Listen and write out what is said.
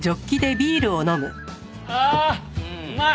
ああうまい！